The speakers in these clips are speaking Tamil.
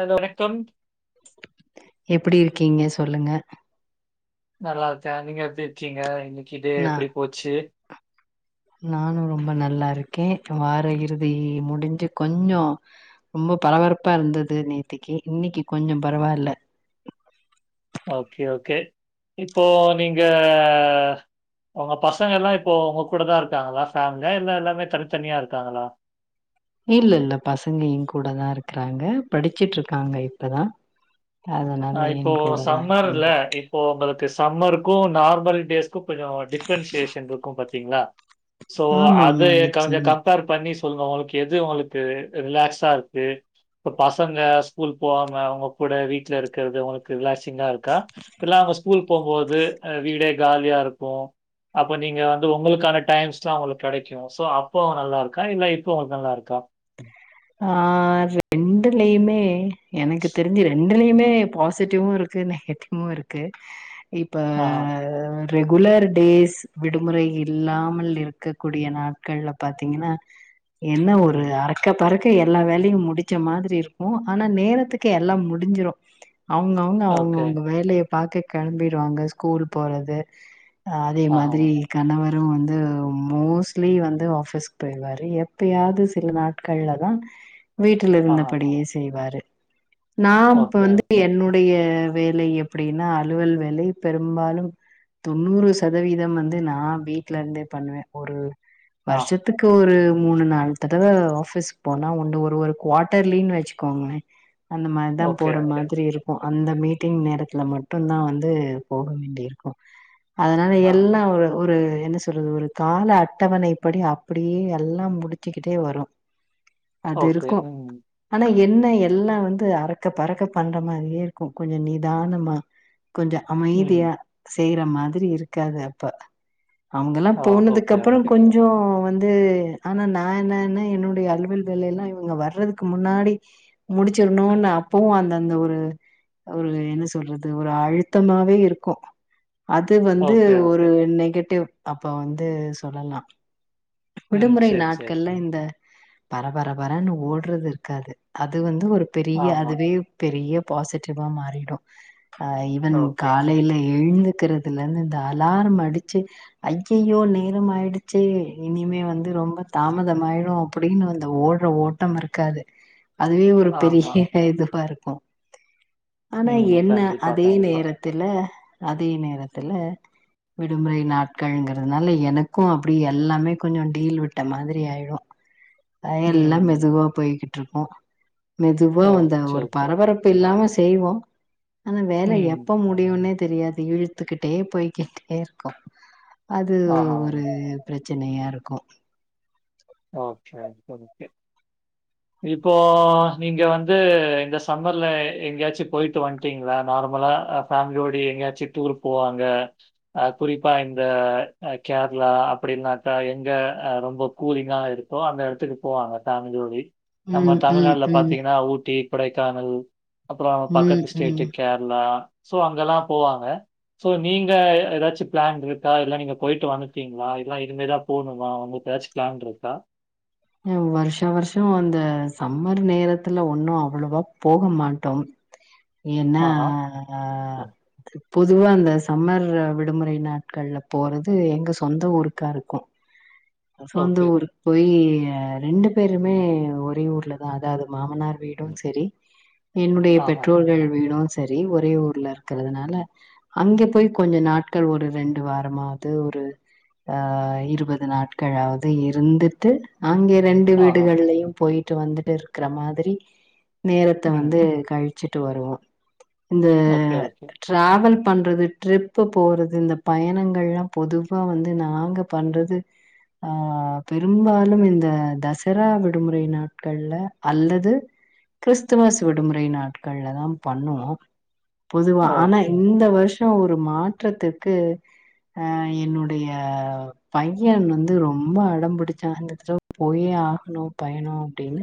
அதோட தொன் எப்டி இருக்கீங்க சொல்லுங்க நல்லா இருக்கே நீங்க எப்டி இருக்கீங்க இன்னிக் ந நானு ரொம்ப நல்லா இருக் கேக்க வார இறுதி முடிஞ்சு கொஞ்சோ ரொம்ப பரபரப்பா இருந்தது நேத்திக்கு இன்னைக்கு கொஞ்சம் பரவால்ல ஓகே ஓகே இப்போ நீங்க உங்க பசங்க எல்லாம் இப்போ உங்க கூட தான் இருக்காங்களா ஃபேமிலியா இல்ல எல்லாமே தனித்தனியா இருக்காங்களா இல்ல இல்ல பசங்க எ கூட தா இருக்கறாங்க படிச்சுட்டு இருக்காங்க இப்பதா அதனால ஆ இப்போ என் கூட தா சம்மர் இருக்காங்க இல்ல இப்போ உங்களுக்கு சம்மர் க்கு நார்மல் டேஸ்க்கு கொஞ்ச டிஃப்ரன்சியேஷன் இருக்கு பத்தீங்களா சோ ஆமா அது ஆமா கொஞசம நிச்சயமா கம்பேர் பண்ணி சொல்லுங்க எது உங்களுக்கு ரிலாக்ஸா இருக்கு இப்ப பசங்க ஸ்கூல் போவாம அவுங்க கூட வீ ட்ல இருக்கிறது உங்களுக்கு ரிலாக் சிங்கா இருக் கா இல்ல அவங்க ஸ்கூல் போகும்போது வீடே காலியா இருக்கு அப்ப நீங்க வந்து உங்களுக்கான டைம்ஸ்ல்லா உங்களுக்கு கெடைக்கும் சோ அப்ப நல்லா இருக்கா இல்ல இப்ப உங்களுக்கு நல்லா இருக்கா ஆ ரெண்டுலயுமே எனக்கு தெரிஞ்சு ரெண் ரெண்டலியுமே பாசிட்டிவு இருக்கு நெகட்டிவவு இருக்கு இப்ப ஆ. ரெகுலர் டேஸ் விடுமுறை இல்லாமல் இருக்கக்கூடிய நாட்கள்ல பாத்தீங்ன்னா என்ன ஒரு ம். அறக்க [unintelligible] எல்லா வேலையு முடிச்ச மாரி இருக்கு ஆனா நேரத்துக்கு எல்லா முடிஞ்சிரு அவுங்க அவுங்க அவுங்க ஓகே. அவுிங்க வேலைய பாக்க கெளம்பிருவாங்க ஸ்கூல் போறது அதே ஆஹா. மாதிரி கணவர் வந்து மோஸ்ட்லி வந்து ஆபிஸ்க்கு போயிவாார் எப்பயாவது சில நாட்கள்ல தா வீட்டில ஆஹா. இருந்தபடியே செய்வாரு நா இப்ப ஓகே, வந்து ஓகே. என்னுடைய வேலை எப்படின்னா அலுவல் வேலை பெரும்பாலும் தொண்ணூறு சதவீதம் வந்து நா வீட்டு்ல இருந்தே பண்ணுவே ஒரு ஆ. வருஷத்துக்கு ஒரு மூணு நாள் தடவ ஆபீஸ் போனா ஒன்னு ஒரு ஒரு குவார்டர் லீவுனு வச்சுக்கோங்களேன் அந்த மாதிரி தான் ஓகே, போற ஓகே. மாதிரி இருக்கும் அந்த மீட்டிங் நேரத்துல மட்டும் தான் வந்து போக வேண்டியிருக்கும் அதனால ஆஹா. எல்லாம் ஒரு ஒரு என்ன சொல்றது ஒரு கால அட்டவணைப்படி அப்படியே எல்லாம் முடிச்சுக்கிட்டே வரும் அது ஓகே. இருக்கும் ம். ஆனா என்ன எல்லா வந்து அரக்க பறக்க பண்ற மாதிரியே இருக்கும் கொஞ்சம் நிதானமா கொஞ்சம் ம். அமைதியா செய்யற மாதிரி இருக்காது அப்ப அவங்கல்லாம் ஓ! போனதுக்கு ஓகே, அப்புறம் ஓகே. கொஞ்சம் வந்து இது ஆனா நான் என்னான்ன என்னுடைய அலுவல் எல்லாம் இவங்க வர்றதுக்கு முன்னாடி முடிச்சிடணும்னு அப்பவும் அந்த அந்த ஒரு ஒரு என்ன சொல்றது ஒரு அழுத்தமாவே இருக்கும் அது வந்து ஓகே, ஒரு ஓகே. நெகட்டிவ் அப்ப வந்து சொல்லலாம் ம். விடுமுறை சரி, சரி. நாட்கள்ல இந்த பர பர பரன்னு ஓடுறது இருக்காது அது வந்து அது ஒரு பெரிய ஆமா. அதுவே பெரிய பாசிட்டிவா மாறிடும் ஆஹ் ஈவன் ஓகே. ம். காலையில எழுந்து இருக்கிறதுல இருந்து இந்த அலாரம் அடிச்சு ஐயய்யோ நேரம் ஆயிடுச்சே இனிமே வந்து ரொம்ப தாமதம் ஆயிரும் அப்படி அப்படின்னு அந்த ஓடுற ஓட்டம் இருக்காது அதுவே ஒரு பெரிய ஆமா. இதுவா இருக ஆ ஆனா ம். என்ன கண்டிப்பா, அதே கண்டிப்பா. நேரத்துல அதே நேரத்துல விடுமுறை நாட்கள்ங்கிறதுனால எனக்கு அப்டி எல்லாமே கொஞ்சோ டீல் விட்ட மாதிரி ஆயிடு அ எல்லா ம். மெதுவா போய்கிட் ட்ருப்போ மெதுவா ஓ! வந்த சரி, ஒரு சரி. பரபரப்பு இல்லாம செய்வோம் ஆனா வேல ம். எப்போ முடியும்னே தெரியாது இழுத்துக்கிட்டே போய்கிட்டே இருக்கு அது ஆஹா. ஒரு ப்ரச் சனையா இருக்கு ஓகே இப்போ நீங்க வந்து இந்த சம்மர்ல எங்கயாச்சு போய்ட்டு வந்டீங்ளா நார்மலா ஃபேம்லியோடயே எங்கயாச்சு டூர் போவாங்க அ குறிப்பா இந்த அ கேரளா அப்டினாக்கா எங்க ரொம்ப கூலிங்கா இருக்கோ அந்த எடத்துக்கு போவாங்க ஃபேம்லியோட நம்ம ம் ம் தமிழ்நாட்டுல ம் பாத்தீங்ன்னா ஊட்டி கொடைக்கானல் அப்றோ அங்க ம் பக்கத்து ம் ஸ்டேட்டு் கேர்ளா சோ அங்கல்லா போவாங்க சோ நீங்க ஏதாச்சு ப்ளான்ருக்க இல்ல நீங்க போய்ட்டு வந்ட்டடீங்ளா இல்ல இனிமேதா போணுமா உங்குளுக்கு எதாச்சு ப்ளான் இருக்க அ வர்ஷோ வர்ஷோ அந்த சம்மர் நேரத்துல ஒன்னு அவ்வளவா போக மாட்டோ ஏன்னா ஆஹா. [inaudible] பொதுவா அந்த சம்மர் விடுமுறை நாட்கள்ல போறது எங்க சொந்த ஊருக்கா இருக்கு சொந்த ஓகே. ஊருக் போயி அ ரெண்டு பேருமே ஒரே ஊர்ல தா அதாவ்து மாமனார் வீடு செரி என்னுடைய ஆஹா. பெற்றோர்கள் வீடும் சரி ஒரே ஊர்ல இருக்கறதுனால அங்கே போய் கொஞ்ச நாட்கள் ஒரு ரெண்டு வாரமாது ஒரு ஆ இருபது நாட்களாவது இருந்துட்டு அங்கே ரெண்டு வீடுகள்லயு போய் ட்டு வந்துட்டு இருக்கற மாதிரி நேரத்த வந்து கழி ச்சிட்டு வருவோ இந்த ஓகே, ஓகே. டிராவல் பண்றது ட்ரிப்பு போறது இந்த பயணங்கல்ல பொதுவா வந்து நாங்க பண்றது ஆ பெரும்பாலும் இந்த தசரா விடுமுறை நாட்கள்ல அல்லது கிறிஸ்துமஸ் விடுமுறை நாட்கள்லதா பண்ணுவோ பொதுவா ஓ! ஆனா இந்த வரு ஷோ ஒரு மாற்றத்திக்கு அ என்னுடைய பையன் வந்து ரொம்ப அடம்பிடிச்சா இந்த தட போயே ஆகணு பையன்னு அப்டின்னு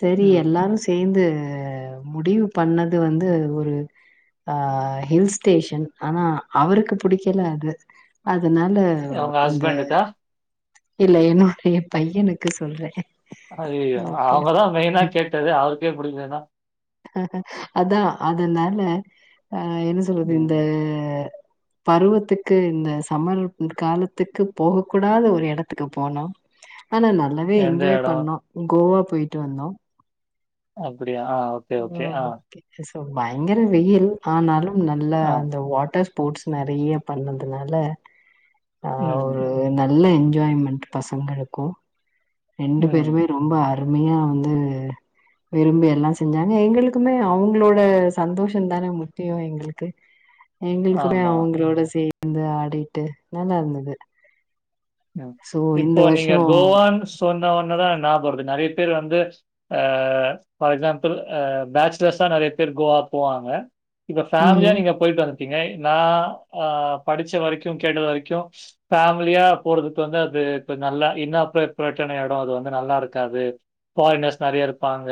செரி ம். எல்லாரு சேந்து அ முடிவு பண்ணது வந்து ஒரு அ ஹில் ஸ்டேஷன் ஆனா அவருக்கு புடிக்கல அ தனால உங்க இந்த ஹஸ்பண்டுக்கா? இல்ல என்னுடைய பையனுக்கு சொல்றே அய்யயோ ஓகே அவங்கதா மெயினா கேட்டது அவருக்கே புடிக்கலனா அதா அதனால அ என்ன சொல்றது இந்த ம். பருவத்துக்கு இந்த சம்மர் காலத்துக்கு போக கூடாத ஒரு எடத்துக்கு போனோ ஆனா நல்லாவே எந்த என்ஜாய் இடம்? பண்ணோ கோவா போய்ட்டு வந்தோம் அப்படியா ஆஹ் ஓகே ஓகே ஆஹ் பயங்கர வெயில் ஆனாலும் நல்ல ஆ. அந்த வாட்டர் ஸ்போர்ட்ஸ் நிறைய பண்ணதுனால ஆ ம் ஒரு நல்ல என்ஜாய்மெண்ட் பசங்களுக்கு கோ ரெண்டு பேருமே ம். ரொம்ப அ அருமையா வந்து விரும்பி எல்லாம் செஞ்சாங்க எங்களுக்குமே அவங்களோட சந்தோஷம் தானே முக்கியம் எங்களுக்கு எங்களுக்குமே ஆமா. அவங்களோட செய் வந்து ஆடிட்டு நல்லா இருந்தது ஸோ இப்போ இந்த நீங்க வருஷம் கோவான் சொன்ன ஒன்னே தான் நா போது நிறைய பேர் வந்து அ ஃபார் எக்ஸாம்பிள் அ பேச்சலர்ஸ் தான் நிறைய பேர் கோவா போவாங்க இப்ப ஃபேமிலியா ம்ஹ்ம். நீங்க போயிட்டு வந் ங்க நான் ஆஹ படிச்ச வரைக்கும் கேட்டது வரைக்கும் ஃபேமிலியா போறதுக்கு வந்து அது இப்ப நல்லா இன்ஆப்பரேட் பிரச்சன எடம் அது வந்து நல்லா இருக்காது ஃபாரினர்ஸ் நெறைய இருப்பாங்க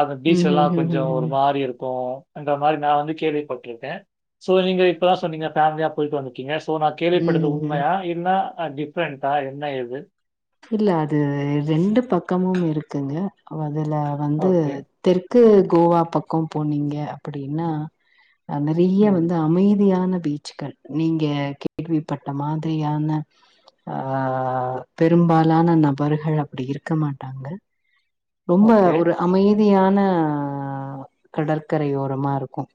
அந்த பீச் எல்லா கொஞ்சம் ஒரு ம்ஹ்ஹ்ஹ்ம். மாரி இருக்கு அந்த மாரி நா வந்து கேள்விப்பட்ருக்கே சோ நீங்க இப்பதா சொன்னீங்க ஃபேமிலியா போயிட்டு வந்து கீங்க சோ நா கேள்விப்பட்டது ம்ஹ்ஹ்ம். உண்மையா என்னா ஆ டிஃப்ரெண்டா என்ன ஏது இல்ல அது ரெண்டு பக்கமும் இருக்குங்க அதுல வந்து ஓகே. தெற்கு கோவா பக்கம் போனீங்க அப்படின்னா நிறைய ம். வந்து அமைதியான பீச்கள் நீங்க கேள்விப்பட்ட மாதிரியான ஆ பெரும்பாலான நபர்கள் அப்படி இருக்க மாட்டாங்க ரொம்ப ஓகே. ஒரு அமை தியான கடற்கரை ஓரமா இருக்கும்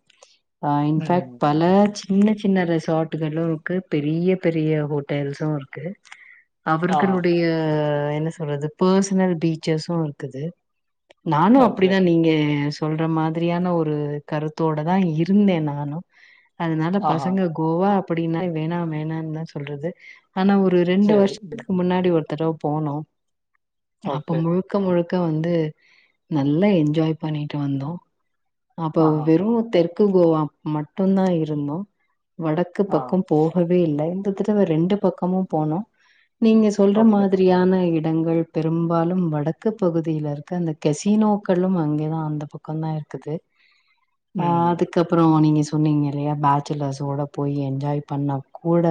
அ ம். இன்ஃபேக்ட் ம். பல சின்ன சின்ன ரெசார்ட்டு்களு இருக்கு பெரிய பெரிய ஹோட்டல்ஸு இருக்கு ஆஹா. மக்களுடைய என்ன சொல்றது பர்சனல் பீச்சர்ஸும் இருக்குது நானும் ஓகே. அப்படிதா நீங்க சொல்ற மாதிரியான ஒரு கருத்தோட தான் இருந்தேன் நானும் அதனால ஆஹா. பசங்க கோவா அப்படின்னா வேணாம் வேணாம்னு தான் சொல்றது ஆனா ஒரு ரெண்டு சரி. ம். வருஷத்து முன்னாடி ஒரு தடவ போனோம் அப்ப ஓகே. முழுக்க முழுக்க அங்க வந்து நல்லா என்ஜாய் பண்ணிட்டு வந்தோம் அப்ப ஆஹா. வெறும் டெக் கோவா மட்டுந்தா இருந்தோ வடக்கு ஆ. பக்கம் போகவே இல்ல இந்த தடவ ரெண்டு பக்கமும் போனோம் நீங்க சொல்ற ஓகே. மாதிரியான இடங்கள் பெரும்பாலும் வடக்கு பகுதியில் இருக்க அந்த கசினோக்களும் அங்கேதான் அந்த பக்கம தான் இருக்குது ஆஹ் ம். அதுக்கப்புறம் நீங்க சொன்னீங்க இல்லையா பேச்சுலர்ஸோட போய் என்ஜாய் பண்ண கூட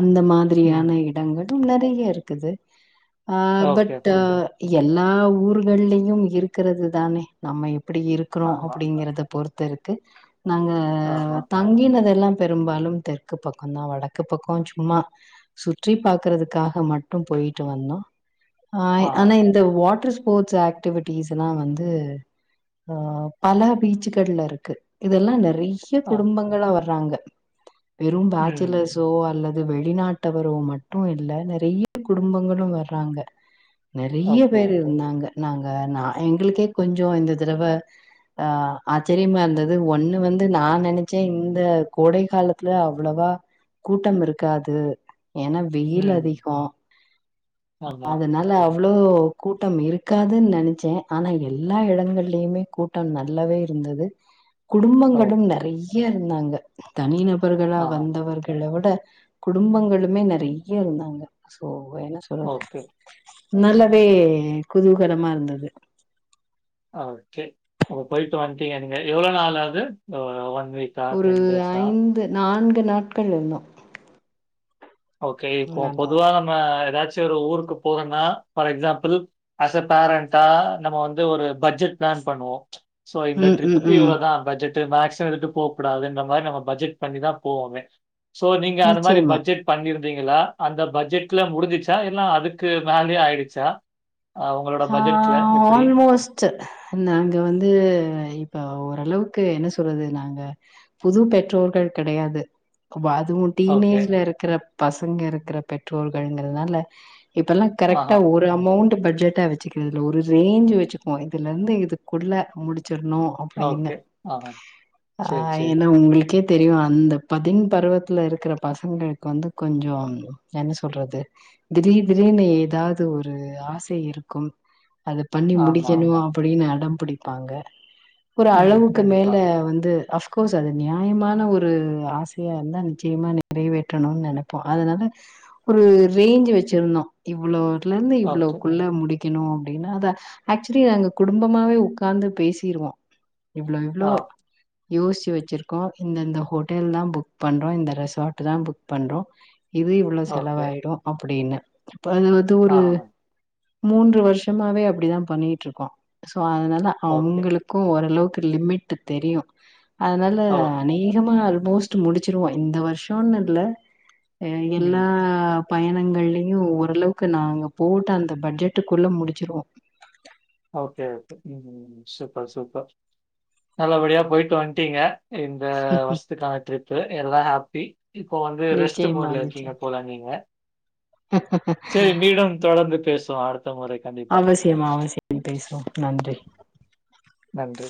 அந்த மாதிரியான ம். இடங்கள் அதுவும் நெறைய இருக்குது ஆ ஓகே. பட்டு ம். எ எல்லா ஊர்கள்லயும் இருக்கிறது தானே நம்ம அப்படி இருக்கிறோ அ ஆமா, இத பொறுத்துருக்கு நாங்க ஆமா. அ தங்கினதெல்லா பெரும்பாலு தெற்கு பக்கதா வடக்கு பக்கோ சும்மா சுற்றி பார்க்குறதுக்காக மட்டு போயிட்டு வந்தோ ஆ. ஆஹ் ஆனா இந்த வாட்டர் ஸ் ஸ்போர்ட்ஸ் ஆக்டிவிட்டிஸ்லா வந்து ஆ பல பீச்சுகள்ல இருக்கு இதெல்லா நெறைய சிஷ்ய அ. குடும்பங்கள் அவர் நாங்க வெறும் ம். பாச்சிலர்ஸ்சோ அல்ல இது வெளிநாட்டவரோ மட்டு இல்ல நெறைய குடும்பங்களு வர்றாங்க நெறைய ஓகே, பேரு ஓகே. இருந்தாங்க நாங் த நா எங்களுக்கே கொஞ்சோ இந்த தடவ ஆஹ் ஆச்சரியமா இருந்தது ஒண்ணு வந்து நா நெனைச்சே இந்த கோடை காலத்துல அவ்வளவா கூட்டம் இருக்காது ஏன்னா வெயில் ம். அதிகோ ஆமா. அதனால அவ் இவ்ளோ கூட்டம் இருக்காதுன் நெனைச்சே ஆனா எல்லா எடங்கல்லயுமே கூட் ட்டம் நல்லாவே இருந்தது ஓ! குடும்பங்களும் நெறய இருந்தாங்க தனின அவர்களா ஆ. வந்தவர்கள்ல விட குடும்பங்களுமே நெறய இருந்தாங்க சோ அ என்ன சொல்லது ஓகே, நல்லாவே குதூகலமா இருந்தது ஓகே அப்போ போயிட்டு வந்ட்டீங்க நீங்க எவ்ளோ நாளாவது வந் ஒரு ஐந்து நான்கு து நாட்கள் இருந்தோ ஓக்கே இப்போ நல்லா பொதுவா நம்ம ஏதாச் சேரு ஊருக்கு போறோனா பார் எக்ஸாம்பிள் ஆஸ்ஸ பேரண்டா நம்ம வந்து ஒரு பட்ஜெட் பிளான் பண்ணுவோ சோ இந்த ம் ம் ட்ரிப்புக்கு ம் இவ்ளவுதா பட்ஜட் ட்டு மேக்சிம் ட்டு போகக் கூடாதுன்ற மாரி நம்ம பட்ஜெட் பண்ணிதா போவமே சோ நீங்க அந்த மாரி நிச்சயமா பட்ஜெட் இருந்தீங்களா அந்த பட்ஜெட்ல முடிசிச்சா எல்லா அதுக்கு மேலயே ஆயிடுச்சா அ உங்களோட பட்ஜெட்ல ஆஹ் எப்படி? ஆல்மோஸ்ட் நாங்க வந்து இப்ப ஒரு ஓரளவுக்கு என்ன சொல்றது நாங்க புது பெற்றோர்கள் கெடையாது அதுவு ஓகே. டீனேஜ்ல இருக்கிறப் பசங்க இருக்கிற பெற்றோர்கள் ங்றதுனால இப்பெல்லா ஆஹா. கரெக்டா ஒரு அமௌண் பட்ஜெட் வச்சுக்க ஒரு ரேஞ்ச் வச்சுக்குவோ இதுலருந்து இதுக்குள்ள முடி வச்சிருனு அப்டின்னு ஓகே. ஆஹா. ஆ சரி, சரி. ஏனா உங்களுக்கே தெரியு அந்த பதின் பருவத்துல இருக்கிற பசங்களுக்கு வந்து கொஞ்சோ என்ன சொல்றது திடீர் திடீர்னு ஏதாது ஒரு ஆசை இருக் கும் அது பண்ணி ஆமா, முடிக்கணுமா ஆமா. அப்படின்னு அடம் புடிப்பாங்க ஒரு ம். அளவுக்கு கண்டிப்பா. மேல வந்து அப்ஃகோர்ஸ் அது நியாயமான ஒரு ஆசையாருந்தா நிச்சயமா நிறைவேற்றணு நெனப்போ அதனால ஒரு ரேஞ்ச் வச்சிருந்தோ இவ்ளோ துல இருந்து இவ்ளோ ஓகே. குள்ள முடிக் கிணு அப்படின்னா அத ஆக்சுவலி அங்க குடும்பமாவே உக்காந்து பேசிருவோ இவ்ளோ இவ்ளோ ஆ. யோச்சு வச்சிருக்கோ இந்த இந்த ஹோட்டல் தா புக் பண்றோ இந்த ரெசார்ட் தா புக் பண்றோ இது இவ்ளோ ஓகே. செலவாயிடு அப்டீன்னு அதுல வந்து ஒரு ஆஹா. மூன்று வருஷமாவே அப்டிதா பண்ணிட்ருக்கோ சோ அதனால ஓகே. அவுங்களுக்கு ஓரளவுக்கு லிமிட் தெரியு அதனால ஓ! அநேகமா மோஸ்ட் முடிச்சிருவோ இந்த வருஷோன்னு இல்ல ம். எல்லா பயணங்கள்லயு ஓரளவுக்கு நாங்க போட்டு அந்த பட்ஜெட் விட்டுக்குள்ள முடிச்சிருவோ ஓகே ஓகே ம் ம் சூப்பர் சூப்பர் நல்லபடியா போயிட்டு வன்டீங்க இந்த வருஷத்துக்கான டிரிப்பு எல்லா ஹாப் பி இப்போ வந்து ரெஸ்ட் நிச்சயமா, மோட்ல இருக்கீங்க நிச்சயம். போல நீங்க செரி மீண்டும் தொடந்து பேசுவா அவசியமா அவசியம் பேசுவோ நன்றி நன்றி